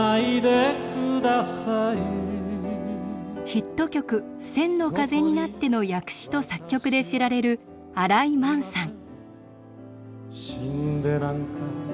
ヒット曲「千の風になって」の訳詞と作曲で知られる新井満さん。